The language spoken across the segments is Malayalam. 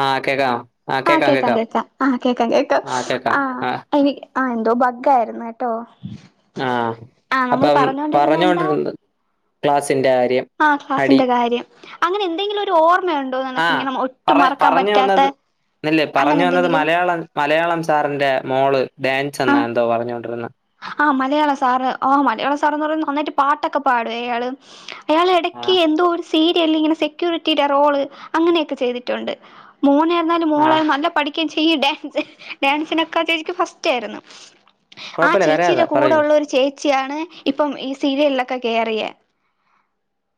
[inaudible] ആഹ് കേക്കാം ആഹ് കേക്കാം കേക്കാൻ കേക്കാം കേക്കാ ആഹ് കേക്കാാം കേക്ക ആഹ് കേക്കാം ആഹ് ഇനി ആഹ് എന്തോ ബഗായിരുന്നു കേട്ടോ ആഹ് ആ നമ്മള് അപ്പം എന്താ പറഞ്ഞോണ്ടിരുന്ന ക്ലാസ് ആ ക്ലാസിന്റെ കാര്യം അങ്ങനെ എന്തെങ്കിലും ഒരുഓർ ആ പറ പറഞ്ഞ് വന്നത് ഇല്ലേ അങ്ങനെ പറഞ്ഞു വന്നത് എന്തെങ്കിലും മലയാളം മലയാളം സാറിറെ മോള് ഡാൻസ് എന്നാ എന്തോ പറഞ്ഞുകോണ്ടിരുന്നത് ആഹ് മലയാള സാറ് ആഹ് മലയാള സാറെന്ന് പറയ നന്നായിട്ട് പാട്ടൊക്കെ പാടും അയാള് അയാൾ ഇടക്ക് ആഹ് എന്തോ സീരിയൽ ഇങ്ങനെ സെക്യൂരിറ്റിയുടെ റോള് അങ്ങനെയൊക്കെ ചെയ്തിട്ടുണ്ട് മൂനായിരുന്നാലും ആഹ് മോളായി നല്ല പഠിക്ക ചെയ ഡാൻ ഡാൻസിനൊക്കെ ചേച്ചിക്കും ഫസ്റ്റ് ആയിരുന്നു ആ കുഴപ്പമില്ല ചേച്ചിയുടെ കരയാതെ കൂടെ പറയൂ ഉള്ള ഒരു ചേ ച്ചാണ് ഇപ്പം ഈ സീരിയലിലൊക്കെ കേയറിയ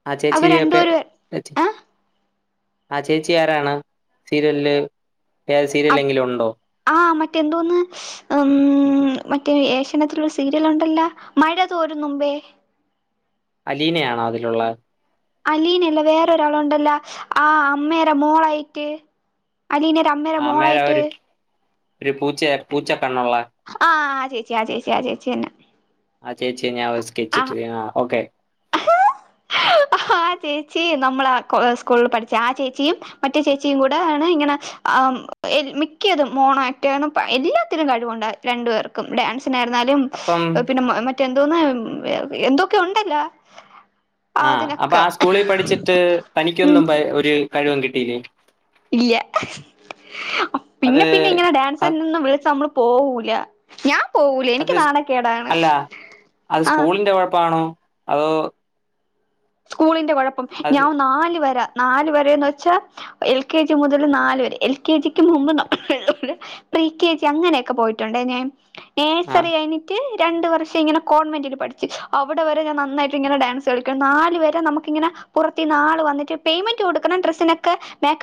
ആ ചേച്ചിരിപ്പ ആ ചേച്ചി ആരാണ് സീരിയലില് വേറെ സീരിയലിൽ എങ്കിലും ഉണ്ടോ മറ്റ എന്തോന്ന് ഉം മറ്റേ ഏഷ്യാനത്തിലുള്ള സീരിയല് ഉണ്ടല്ലോ മഴ തോരും മുമ്പേ അലീനയാണോ അതിലുള്ളത് അലീനല്ല വേറൊരാളുണ്ടല്ല ആ അമ്മയുടെ മോളായിട്ട് അലീന ഒരു അമ്മേയുടെ അമേര മോളായിട്ട് ഒരു ഒരു പൂച്ച പൂച്ച കണ്ണുള്ള ആഹ് ആ ചേച്ചി ആ ചേച്ചി ആ ചേച്ചി തന്നെ ആ ചേച്ച ഞാവ ആഹ് [unintelligible] ഓക്കെ ആഹ് ചേച്ചി നമ്മള ആ സ്കൂളിൽ പഠിച്ച ആ ചേച്ചിയും മറ്റേ ചേച്ചിയും കൂടെണ് ഇങ്ങനെ മിക്കതും മോണോആക്റ്റ് എല്ലാത്തിനും കഴിവുണ്ട് രണ്ടു പേർക്കും ഡാൻസ് ആരുന്നാലും അപ്പം പിന്നെ മറ്റെ തോന്ന എന്തൊക്കെ ഉണ്ടല്ലോ ആഹ് അതിന അപ്പൊ ആ സ്കൂളി പഠിച്ചിട്ട് കഴിവും കിട്ടിയില്ലേ ഇല്ല അത് പിന്നെ പിന്നെ ഇങ്ങനെ ഡാൻസ് അത് ഒന്നും വിളിച്ച നമ്മള് പോവൂല ഞാൻ പോവൂല അത് എനിക്ക് സ്- നാണക്കേടാണ് അല്ല ആഹ് സ്കൂളിന്റെ കുഴപ്പാണോ അത് സ്കൂളിന്റെ കുഴപ്പം പ്പം അത് ഞാൻ നാല് വരാ നാല് വരെന്ന് വെച്ചാ എൽ കെ ജി മുതല് നാല് വരെ എൽ കെ ജിക്ക് മുമ്പ് നമ്മ പ്രി കെ ജി അങ്ങനെയൊക്കെ പോയിട്ടുണ്ട് ഞാൻ ആഹ് നഴ്സറി കഴിഞ്ഞിട്ട് രണ്ട് വർഷം ഇങ്ങനെ കോൺവെന്റിൽ പഠിച്ച് അവിടെ വരെ ഞാൻ നന്നായിട്ട് ഇങ്ങെനെ ഡാൻസ് കളിക്കാൻ നാല് വരെ നമുക്ക് ഇങ്ങനെ പുറത്ത് നിന്ന് ആള് വന്നിട്ട് പേയ്മെന്റ് കൊടുക്കണം ഡ്രസിനൊക്കെ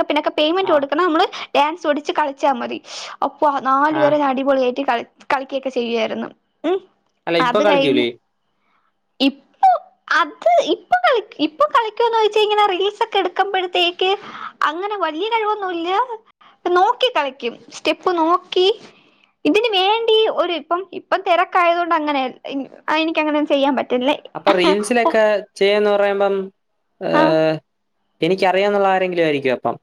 പിന്നൊക്കെ പേയ്മെന്റ് ആഹ് കൊടുക്കണം നമ്മള് ഡാൻസ് ഒടിച്ച് കളിച്ചാൽ മതി അപ്പൊ നാല് ആഹ് വരെ അടിപൊളിയായിട്ട് കളി കളിക്കൊക്കെ ചെയ്യുവായിരുന്നു ഉം അല്ല ഇപ്പൊ അത് കഴിഞ്ഞ് കളിക്കില്ലേ ഇപ്പൊ അത് ഇപ്പൊകളി ഇപ്പൊ കളിക്കാന്ന് വെച്ച് കഴിഞ്ഞ റീൽസ് ഒക്കെ എടുക്കുമ്പോഴത്തേക്ക് അങ്ങനെ വലിയ കഴിവൊന്നുമില്ല നോക്കി കളിക്കും സ്റ്റെപ്പ് നോക്കി ഇതിന് വേണ്ടി ഒരു ഇപ്പം ഇപ്പം തിരക്കായത് കൊണ്ട് അങ്ങനെ എനക്കങ്ങനെ ചെയ്യാൻ പറ്റ് അപ്പൊ റീൽസിലൊക്കെ ന്ന് പറയുമ്പം ആഹ് എനിക്കറിയാം എന്നുള്ള ആരെങ്കിലും ആയിരിക്കും അപ്പം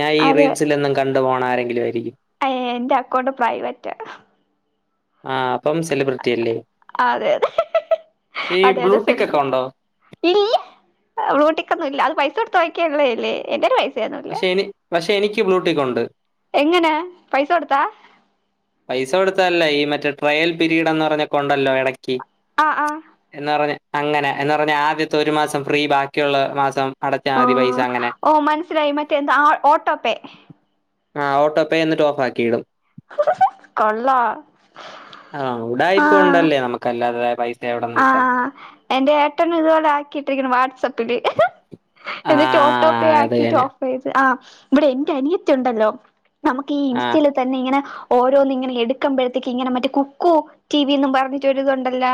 ഞാൻ ഈ റീൽസിലൊന്നും കണ് ണ്ട് പോണാരങ്കിലും ആയിരിക്കും ഏ എന്റെ അക്കൗണ്ട് പ്രൈവറ്റ ആഹ് അപ്പം സെലിബ്രിറ്റി അല്ലേ അതെതെ ഈ അതെ അതെ ബ്ലൂടിക്ക് ഒക്കെ സെലിബ്രിറ്റി ഉണ്ടോ ഇല്ല ബ്ലൂട്ടിക്കൊന്നും ഇല്ല പൈസോട്ട് തോക്കേല്ലേ എന്റെ പൈ ഒന്നുല പക്ഷെ എനി പക്ഷെ എനിക്ക് ബ്ലൂടിക്ക് ഉണ്ട് എങ്ങനെ പൈസ കൊടുത്താ പൈസ കൊടുത്തല്ലേ ഈ മറ്റേ ട്രയൽ പീരീഡ് എന്ന് പറഞ്ഞ കൊണ്ടല്ലോ ഇടക്ക് ബി ആഹ് ആഹ് എന്നാ പറഞ്ഞ അങ്ങനെ എന്ന് പറഞ്ഞ ആദ്യത്തെ ഒരു മാസം ഫ്രീ ബാക്കിയുള്ള മാസം അടച്ചാൽ ആ മതി പൈസ അങ്ങനെ ഓ മനസ്സിലായി മറ്റേ എന്താ ഓട്ടോപ്പേ ആ ഓട്ടോ പേ എന്നിട്ട് ഓഫ്ക്കിയിടും [unintelligible] കൊള്ളാം ആഹ ഉടായിപ്പ്കൊണ്ടല്ലെ നമുക്ക്ല്ലാതെ ആ എന്റെ ഏട്ടനും ഇതുപോലെ ആക്കിട്ടിരിക്കുന്നു വാട്സആപ്പ് പില് [inaudible] ആ എന്നിട്ട് ഓട്ടോ പേ അത് ആക്കിട്ട് തന്നെ ഓഫ് ചെയ്ത് ആ ഇവിടെ എന്റെ അനിയത്തി ഉണ്ടല്ലോ നമുക്ക് ഈ ആ ഇിൻസ്റ്റൽ തന്നെ ഇങ്ങനെ ഓരോന്ന് ഇങ്ങനെ എടുക്കുമ്പഴത്തേക്ക് ഇങ്ങനെ മറ്റേ കുക്കു ടിവിന്നും പറഞ്ഞിട്ട് ഒരിത്തുണ്ടല്ല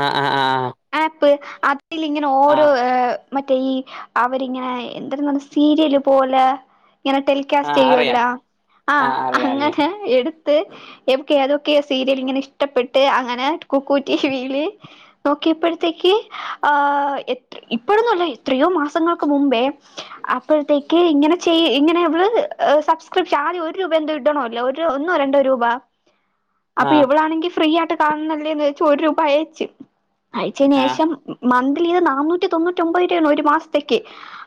ആ ആ ആമ് ഇൽ ഇങ്ങനെ ഓരോ ഏ മറ്റേ ഈ അവരിങ്ങനെ എന്തര് നാണ് സീരിയല് പോലെ ഇങ്ങനെ ആ ടെലികാസ്റ്റ് അറിയാം ചെയ്യുവല്ലോ ആ അറിയാം അറിയാം അങ്ങനെ എടു ക്കെ ഇവക്ക് ഏതൊക്കെയ സീരിയൽ ഇങ്ങനെ ഇഷ്ടപ്പെട്ട് അങ്ങനെ കുക്കു ടിവിയില് നോക്കിയപ്പോഴത്തേക്ക് ആ എത്ര ഇപ്പോഴന്നുംല്ല എത്രയോ മാസങ്ങൾക്ക് മുമ്പേ അപ്പോഴത്തേക്ക് ഇങ്ങനെ ചെയ് ഇങ്ങനെ ഇവൾ ഹ് സുപ്സ്ക്രീപ്‌ഷൻ ആദ്യം ഒരുരുപ എന്തോടണോല്ല ഒന്നോ രണ്ടോ രൂപ ആ അപ്പൊ എവിടൊണെങ്കിൽ ഫ്രീയ ട്ട് കാണുന്നല്ലേ [inaudible] ഒരുരൂപയച് അയച്ചന് ആ ശേഷം മന്ത ത് നന്നൂറ്റി തൊണ്ണൂറ്റി ഒമ്പത് ഒരു ആണ് ഒരു മാസത്തേക്ക്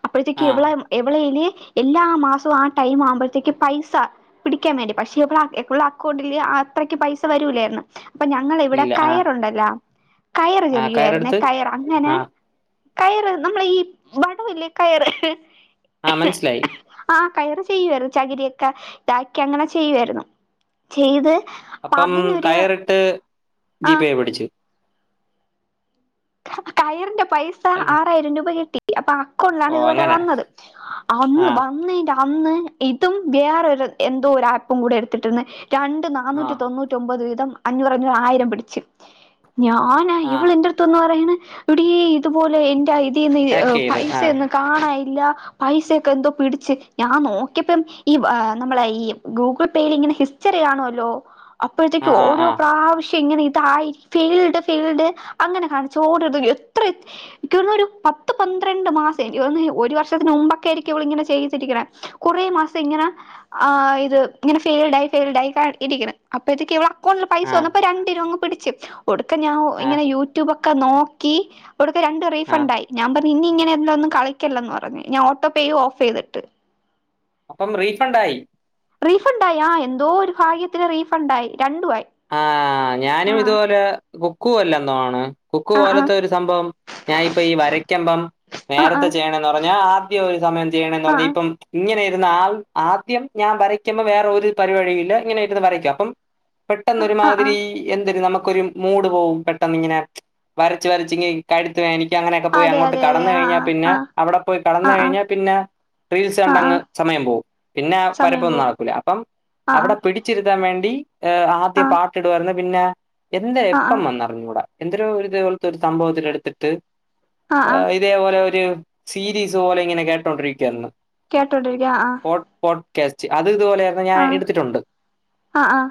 അപ്പോഴത്തേക്ക് ആ എവളെ എവളെയ്ല് എല്ലാ മാസവും ആ ടൈമാകുമ്പത്തേക്ക് പൈസപിടിക്കാൻ വേണ്ടി പക്ഷേ ഇവിടെ ടെ അക്കൗണ്ടില് അത്രക്ക് പൈസ വരൂലായിരുന്ന് പ്പം ഞങ്ങളിവിടെ ഇല്ല [inaudible] ആ കയറുണ്ടല്ലോ കയറ് ആ ചെറി കയറെടുത്ത് [inaudible] കയർ അങ്ങനെ ആ കയറ് നമ്മള ഈ വടവില്ലെ കയറ് ആ മനസ്സിലായി ആ കയറ് ചെയ്യുആയിരുന്നു ചകിരിയൊക്കെ ബാക്കി അങ്ങനെ ചെയ്യുആയിരുന്നു ചെയ്ത് അപ്പൊ അപ്പം അതിനൊരു കയറിട്ട് ആ ദീപയെ പടിച്ച് കയറിന്റെ ഒ. പൈസ അല്ല ആറായിരം രൂപ കിട്ടി ഇഅപ്പ ഓ കൊല്ലാണിതുവരെ ' അങ്ങനെ വന്നത് അന്ന് ആ വന്നിൻ്റെ അന്ന് ഇതും വേറൊരു എന്തോ ഒരു ആപ്പും കൂടെ എടുത്തിട്ടിന്ന് രണ്ട് ആ നന്നൂറ്റി തൊണ്ണൂറ്റി ഒമ്പത് അഞ്ഞൂറഞ്ഞൂറ് ആയിരം പിടിിച് ഞാ ആാ ആ ഇവള എന്റെറടുത്തൊന്ന് [inaudible] പറയ ഇവിടെ ഇതുപോലെ എ ഇതി ഹാക്ക് ചെയ്ത് യ്പൈസ ആ ഒന്ന് കാണായി ല്ല പൈസയൊക്കെ എന്തോ പിടിച്ച് ലാപൈസ ക്കെന്താ പിടിച്ച്ഞാൻ നോക്കിയപ്പം ഈ വനമ്മളെ ഈ ഗൂഗിൾ പേയിൽ ഇങ്ങനെ ഹിസ്റ്ററി ആണോല്ലോ ആ അപ്പോഴത്തേക്കും ആ ഓരോ ആ പ്രാവശ്യ എങ്ങനെതായി ഫീൽഡ് ഫീൽഡ് അങ്ങനെ ഹാൻ ചോട് എത്ര ഒരു പത്ത് പന്ത്രണ്ട് മാസം ഒരു വർഷത്തിന് മുമ്പൊക്കെ ചൂടിത ഇതആയിരിക്കും ഇവ ഇങ്ങനെ ങ്ങനെ ആ് ഇത് ഇങ്ങനെ ഫെയിൽഡായി ഫെയിഡ ആയി ഇരിക്ക അപ്പ ഇ ഇ ഫോൺ ല് പൈസ ആ വന്നപ്പ രണ്ട് രൂ പിടിച്ച് ഒടുക്കം ഞാൻ ആ ഇങ്ങനെ യൂട്യൂബൊ ക്ക നോക്കി ഇവിടുത്തെ രണ്ട് ആ റീഫണ്ടായി ഞാൻ തൻ പിന്നെ ഇങ്ങനെ എല്ലാം ഒന്നും കളിക്കല്ലന്ന് പറഞ്ഞു ഞാൻ ഓട്ടോ പേയും ഓഫ് ചെയ്തിട്ട് അപ്പം റീഫണ്ട് ആയി റീഫണ്ടായി ആ എന്തോ ഒരു ഭാഗ്യത്തിന് റീഫണ്ടായി രണ്ടുവായി ആ ഞാനും ആ ഇതുപോലെ ബോം കൂ അല്ലെന്നാണ് കൊക്ക് ആ ആ പോലത്തെ ഒരു സംഭവം ഞാൻ ഇപ്പ ഈ വരയ്ക്കമ്പം ആ ആ നേരത്തെ ചെയ്യണന്ന് പറഞ്ഞ ആദ്യ ഒരു സമയം ചെയ്യണന്ന് ആ പറഞ്ഞ ഇപ്പം ഇങ്ങനെ ഇന്നാൾ ആദ്യം ഞാൻ വരയ്ക്കുമ്പോ വേറെ ഒരു പരിപഴിയില്ല ഇങ്ങനെ ഇരുന്ന് വരയ്ക്കും അപ്പം ആ ആ പെട്ടെന്നൊരുമാതിരി എന്തര് നമ്മ ഒരു മൂഡ് പോകും പെട്ടെന്ന് ഇങ്ങനെ വരച്ച് വരച്ച് കഴുത്ത് വേനി അങ്ങനെയൊക്കെ പോയി അതെ അങ്ങോട്ട് അതെ അതെ കെടന്ന് ആ കഴിഞ്ഞാൽ പിന്നെ ആ അവിടെ പോയി ആ ആ കെടന്ന് കഴിഞ്ഞാൽ പിന്നെ റീൽസ് ആ ആ കണ്ടങ്ങ് സമയം പോവും പിന്നെ സമയം വരപ്പൊന്നും പോവും നടക്കൂല അപ്പം ആ അവിടെ പിടിച്ചിരി ക്കാൻ വേണ്ടി ഏ ആ ആ ആദ്യം പാട്ടിടുവാരുന്നു പിന്നോ എന്താ ആ എപ്പം വന്നറിഞ്ഞൂടാ എന്തരോ ഒരു ഇതേപോലത്തെ ഒരു സംഭവത്തിൽ എടുത്തിട്ട് ആ ഇതേപോലെ ഒരു സീരീസ് പോലെ ഇങ്ങനെ കേട്ടോണ്ടിരിക്കുവാരുന്നു. കേട്ടോണ്ടിരിക്ക. ആഹ് ടേസ്റ്റ് അ ഇപ്പ ഇതുപോലെയായിരുന്നു ഞാ എടുത്തിട്ടുണ്ട്. ആ ആ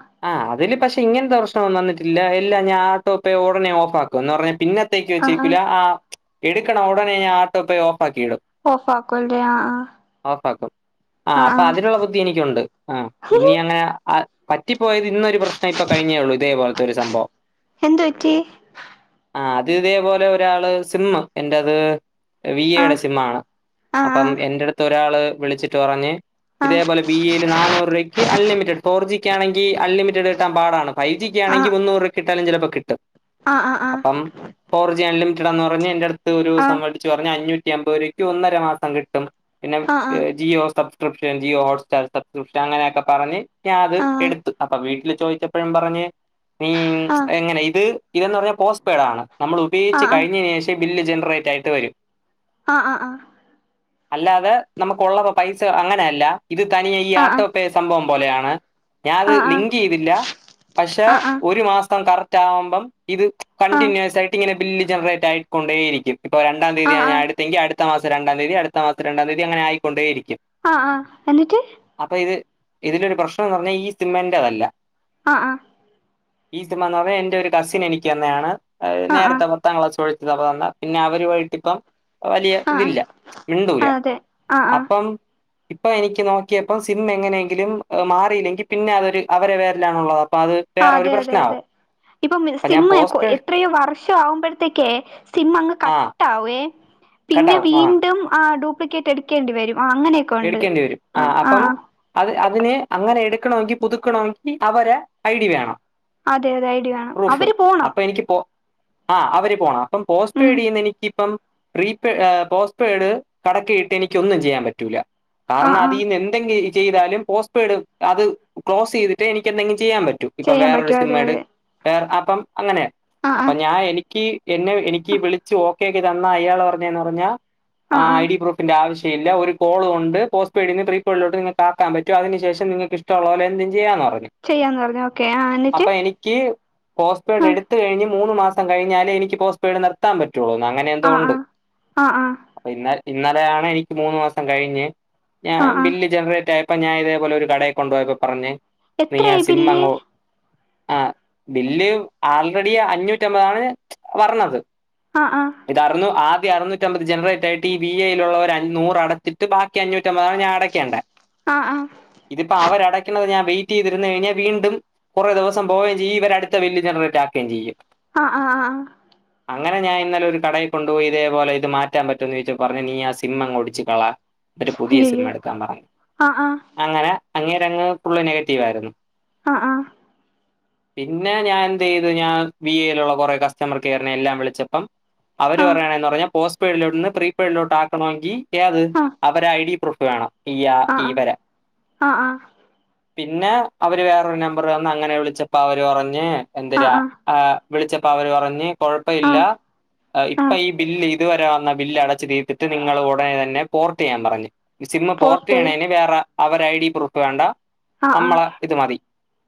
അതില് പക്ഷെ ഇങ്ങനതെർശനൊന്നും വന്നിട്ടില്ല. എല്ല ഞാ ആട്ടോപ്പേ ഉടനെ ഓഫാക്കും. എന്ന് പറഞ്ഞ പിന്നെ ത്തേക്ക് വച്ചേക്കൂല. ആ എടുക്കണം ഉടനെ ഞാൻ ആട്ടോ പേ ഓ ഫാക്കിടും. ഓഫ് ആക്കുവല്ലേ ആ ആ ഓഫാക്കും. ആ അപ്പൊ അതിനുള്ള ബുദ്ധി എനിക്കുണ്ട്. ആ ഇനി അങ്ങനെ ആ പറ്റി പോയത് ഇന്നൊരു പ്രശ്നം ഇപ്പൊ കഴിഞ്ഞേള്ളു. ഇതേപോലത്തെ ഒരു സംഭവം. എന്ത് പറ്റി ആ അത് ഇതേപോലെ ഒരാള് സിമ്മ് എന്റേത് വി ആ എയുടെ സിംമ്മാണ് ആ ആ അപ്പം എന്റടുത്ത് ഒരാള് വിളിച്ചിട്ട് പറഞ്ഞ് ആ ആ ഇതേപോലെ വി ഐ ല് നാനൂറ് രൂക്ക് അൺലിമിറ്റഡ് ഫോർ ജി കാണ അൺലിമിറ്റട് ട്ടാൻ പാടാണ്. ഫൈവ ജിക്ക് ആ ആണെങ്കി മുന്നൂറ് രൂ ട്ടാലും ചെലപ്പ കിട്ടും. ആഹ് ആഹ് അപ്പം ഫോർജിയാലും ടാന്ന് പറഞ് എന്റെ അടു ഒരു സംഭന്ധിച്ച് പറഞ്ഞ അഞ്ഞൂറ്റി റ്റിയമ്പത് രുക്ക് ഒന്നര മാസം കിട്ടും. പിന്നെ ആഹ് ജിയോ സ സബസ്ക്രിപ്ൻ ജിയോ ഹോട്ട്റ്റാർ സ്സ്ക്രിപ്ൻ അനെയൊക്കെ പറഞ്ഞ് ഞ അത് ആഹ് ചോദിച്ചപ്പഴും പറഞ്ഞ്. മ്മ് ആഹ് എങ്ങനെ ഇത് ഇതന്ന് പറഞ്ഞാ പോസ്റ്റ് പെയ്ഡ ആണ്. നമ്മൾ ഉപയോഗിച്ച് ആഹ് കഴിഞ്ഞെന് ശേഷം ബില്ല് ജനറേറ്റ് ആയിട്ട് വരും. ആഹ് ആ ആഹ് അല്ലാതെ നമുക്ക് ഉള്ള പൈസ അങ്ങനെയല്ല. ഇത് തനിയെ ഈ ആഹ് ആട്ടോപെ സംഭവം പോലെയാണ്. അ ഞാനത് ആഹ് ആഹ് ലിങ്ക് ചെയ്തില്ല പക്ഷെ ആഹ് ആഹ് ആഹ് ആഹ് ഒരു മാസം കറക് ട്ടാവുമ്പം ഇത് കണ്ടിന്യൂസ് ആയിട്ട് ഇങ്ങനെ ബില്ല് ജനറേറ്റ് ആയിക്കൊണ്ടേയിരിക്കും ഇപ്പ രണ്ടാം ആഹ് ആഹ് ആഹ് തീയതിയാ ആഹ് ഞാനെടുത്തെങ്കി അടുത്ത ത്ത മാസം രണ്ടാംതിയതി അടുത്ത മാസം രണ്ടാംതീയതി അങ്ങനെ ആയിക്കൊണ്ടേരിക്കും ആഹ് ആഹ് എന്നിട്ട് ഇത് ഇതിലൊരു പ്രശ്നം ന്ന് പറഞ്ഞാൽ ഈ സിം എന്റേതല്ല ആഹ് ആഹ് ഈ സിം ആന്നേ എന്റെ ഒരു കസിൻ എനിക്ക് തന്നെയാണ് അ ആഹ് നേരത്തെ ആഹ് പത്താം ക്ലാസ് പഠി ത് അവൻ തന്ന പിന്നെ അവരുവായിട്ടിപ്പം വലിയ ആഹ് ഇതില്ല ആഹ് മിണ്ടൂല അതെ ആഹ് ആഹ് അപ്പം ഇപ്പൊ എനിക്ക് നോക്കിയപ്പോ സിം എങ്ങനെങ്കിലും മാ റ്റില്ലെങ്കിൽ പിന്നെ അതൊരു അവരെ പേരിലാണുള്ളത് അപ്പൊ അത് ആ വേറെ അതെ ഒരു അതെ അതെ പ്രശ്നമാവും ഇപ്പം അപ്പൊ ഞാൻ സിം കൊ പോസ്റ്റ്പെയ്ഡ് എത്രയോ വർഷം ആവുമ്പഴത്തേക്കേ സിം അങ്ങ് ആ കട്ട് ആവേ പിന്നെ കട്ടാവും ആ വീണ്ടും ആ ഡൂ പ്ലിക്കേറ്റ് എടുക്കേണ്ടി വരും ആഹ് അങ്ങനെയൊക്കെ ഉണ്ട് എടുക്കേണ്ടി വരും ആ ആഹ് അപ്പം ആഹ് അത് അതിന് അങ്ങനെ എടു ക്കണോങ്കി പുതുക്കനോങ്കി അവരെ ഐഡി വേണം അതെ അതെ ഐഡി വേണം പ്രൂഫ് അവര് പോണം അപ്പൊ എനിക്ക് ആ അവര് പോണ ഇപ്പം പോസ്റ്റ് ഉം പെയ്ട് ചെയ്യുന്ന എനിക്കിപ്പം പ്രിപൈ പോസ്റ്റ് പെയഡ് കടക്കയിട്ട് എനിക്ക് ഒന്നും ചെയ്യാൻ പറ്റി റ്റൂലാ കാരണം ആഹ് ആഹ് അതിന്ന് എന്തെങ്കി ചെയ്താലും പോസ്റ്റ് പെയ്ഡ് അത് ക്ലോസ് ചെയ്തിട്ടേ എനിക്ക് എന്തെങ്കിലും ചെയ്യാൻ പറ്റും ഇപ്പൊ ചെയ്യാൻ വേറൊരു പറ്റും സിം അതെ എട് അതെ വേറെ അ അപ്പം അങ്ങനെ ആഹ് അപ്പൊ ഞാൻ എനിക്ക് ക്ക് എന്നെ എനിക്ക് ആഹ് വിളിച്ചു ഓക്കെയാക്കി തന്ന അയാള് പറഞ്ഞന്ന് പറഞ്ഞ ആ ആഹ് ആഹ് ഐഡി പ്രൂഫിന്റെ ആവശ്യം ഇല്ല ഒരു കോൾ കൊണ്ട് പോസ്റ്റ് പെയ്ഡിന്ന് പ്രീ പെയഡിലോട്ട് നിങ്ങൾക്കാക്കൻ പറ്റും അതിന് ശേഷം നിങ്ങക്ക് ഇഷ്ടുള്ള പോലെ എന്തും ചെയ്യാന്നാ പറഞ്ഞേ ചെയ്യാന്ന് പറഞ്ഞു ഓക്കെ ആ എന്നിട്ട് അ എനി ആ എ മൂന്ന് മാസം കഴിഞ്ഞാ എനിക്ക് പോസ്റ്റ് പെയ് നിത്തൻ പറ്റും പറ്റുള്ളൂ അങ്ങനെ എന്തോ ആ ഉണ്ട് ആ ആ ആ അപ്പൊ ഇന്ന ഇന്നലെയാണ് എനിക്ക് മൂന്നു മാസം കഴിഞ്ഞ് ഞാൻ ആ ആ ബില്ല് ജനറേറ്റ് ആയി ഇപ്പ ഞാൻതേപലെ ഒരു കടയ കൊണ്ടുപോയപ്പോ പറഞ്ഞ് നീ ആ എത്രായി സിം ബില്ല് അങ്ങോ ആ ബില്ല് ആൾറെഡി അഞ്ഞൂറ്റമ്പതാണ് വർണത് ആ ആ ഇതറന്നു ആ അറുന്നൂറ്റിമ്പത് ജനറേറ്റ് ആയിട്ട് ഈ വി എയിലുള്ള അൂറ് അട ച്ചിട്ട് ബാ ക്കി അഞ്ഞൂറ്റി ഒമ്പതാണ് ഞാൻ അടയ്ക്കേണ്ട ആ ആ ഇതിപ്പോ അവരട ക്ക്ണത് ഞാൻ വെയിറ്റ് ചെയ്തിരുന്നു കഴിഞ്ഞാൽ വീണ്ടും കുറെ ദിവസം പോവുകയും ചെയ്യ ഇവ അടുത്ത ബില്ല് ജനറേറ്റ് ആക്കുകയും ചെയ്യും ആ ആഹ് ആ അങ്ങനെ ഞാൻന്നലെ ഒരു കടയിൽ കൊണ്ട് പോയി ഇതേപല ഇത് മാറ്റാൻ പറ്റോന്ന് ചോദിച്ചൽഞ്ഞഞ് നീ ആ സിം അങ്ഓടിച്ചിക്കളാ ട്ട് പുതിയ ഒര് അയ്യയ്യോ സിമ എടുക്കാൻ പറഞ്ഞു ആ ആ അങ്ങനെ അങ്ങേരങ്ങ് ഫുള്ള് നെഗറ്റീവായിരുന്നു അ ആ പിന്നെ ഞാൻ എന്തയ്തു ഞാൻ വി എയിലുള്ള കുറെ കസ്റ്റമർ കെയറിനെ എല്ലാം വിളിച്ചപ്പം അവര് ആ ആ പറയണയിൽ പറയ പോസ് പേഡിലോന്ന് പ്രീ പേഡിലോട്ട് ആണെങ്കി ഏ ആ അവരെ ഐ ഡി പ്രൊഫ്‌ വേണം ഇയാ ആ ആ ഇ വരെ ആ പിന്നെ അവര് വേറൊരു നമ്പർ തന്ന് അങ്ങനെ വിളിച്ചപ്പോ അവര് പറഞ്ഞ് എന്തരാ ആ വിളിച്ചപ്പോ അവര് പറഞ്ഞ് ആ കുഴപ്പയല്ല ആ ഇപ്പൊ ഈ ബില്ല് ഇതുവരെ വന്ന ബില്ല് അടച്ചു തീ്ർ ത്തി ട്ട് നിങ്ങൾ ഉടനെ തന്നെ പോർട്യ്യാൻ പറഞ്ഞു സിമ്മ് പോർട്ട് പോർട്ടയ്യണേന് വേറെ അവരെ ഐ ഡി പ്രൂഫ് വേണ്ട ആ ആ നമ്മളെ ഇത് മതി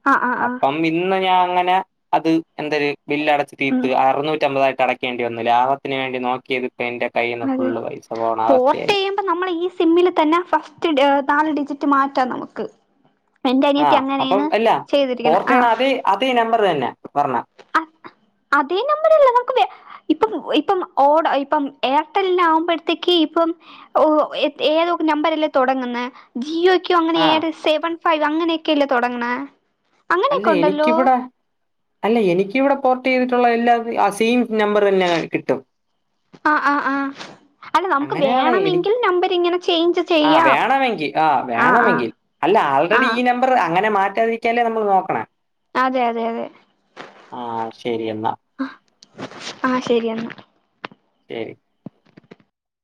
ആ ആ ആ അപ്പം ഇന്ന് ഞാൻ അങ്ങനെ അത് എന്തര് ബില്ല് അടച്ചു ഉം തീർത്ത് അറു നൂ ട്ട മ്പ തായിര് ക ടക്കേണ്ടി വന്നു ലാഭത്തിന് വേണ്ടി നോക്കിയത് ഇപ്പ എന്റെ കയ്യിന്ന് ഫുള്ള് പൈസ പോണ അവസ്ഥയായി നമ്മള് ഈ സിമ്മില് തന്നെ ഫസ്റ്റ് നാല് ഡിജിറ്റ് മാറ്റാം നമുക്ക് എന്റെ ആ അനിയത്തി അപ്പം അങ്ങനെയാണ് ഇല്ല ചെയ്തിരിക്കണെ ആ പോർതിയ്യണ അ തേ അതേ നമ്പർ തന്നെ പറണ്ണ അതേ നമ്പറല്ല നമുക്ക് ഇപ്പം ഇപ്പം ഓട ഇപ്പം എയർടെലിനാകുമ്പ ത്തേക്ക് ഇപ്പം ഏതൊ നമ്പറല്ലേ തുടങ്ങുന്നത് ജിയോ ക്യോ അങ്ങനെ ആ ഏറെ സേവൻ ഫൈവ് അങ്ങനെയൊക്കെയ ല്ലേ തുടങ്ങ്ണ് അല്ല അങ്ങനെയൊക്കെ ഉണ്ടല്ലോ എനിക്കിവിടെ അല്ല എനിക്ക്കി വിടെ പോർട്ട് ചെയ്തിട്ടുള്ള എല്ലാ ആ സീം നമ്പറ് തന്നെ കിട്ടും ആഹ് ആഹ് ആഹ് അല്ല നമുക്ക് അങ്ങനെയാണ് എനിക്ക് വേണമെങ്കിൽ നമ്പർ ഇങ്ങനെ ചേഞ്ച് ആ ചെയ്യാം വേണമെങ്കിൽ ആ ആഹ് ആഹ് വേണമെങ്കിൽ അല്ല ആൾറെഡി ആഹ് ഈ നമ്പർ അങ്ങനെ മാ മാറ്റാതിരിക്കാലേ നമ്മൾ നോക്കണം അതെ അതെ അതെ ശരി എന്നാ ആഹ് ശരിയാന്നാ ശരി